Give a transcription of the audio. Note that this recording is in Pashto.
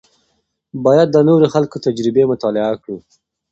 باید د نورو خلکو تجربې مطالعه کړو.